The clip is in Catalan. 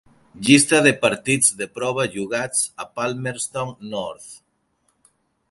Llista de partits de prova jugats a Palmerston North.